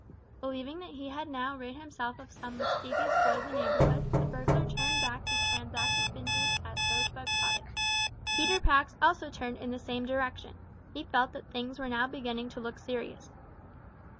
Believing that he had now rid himself of some mischievous boy of the neighbourhood, the burglar turned back to transact his business at Rosebud Cottage. Peter Pax also turned in the same direction. He felt that things were now beginning to look serious.